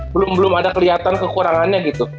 belum belum ada kelihatan kekurangannya gitu